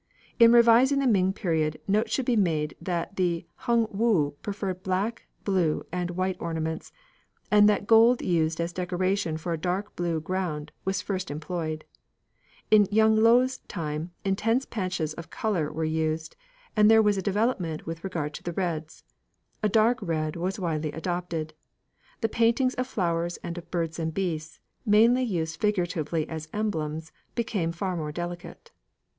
In revising the Ming period note should be made that Hung woo preferred black, blue, and white ornaments; and that gold used as the decoration for a dark blue ground was first employed. In Yung lo's time intense patches of colour were used, and there was a development with regard to the reds; a dark red was widely adopted. The paintings of flowers and of birds and beasts, mainly used figuratively as emblems, became far more delicate.